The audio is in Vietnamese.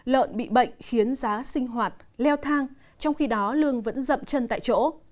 lợn bị bệnh khiến giá sinh hoạt leo thang trong khi đó lương vẫn rậm chân tại chỗ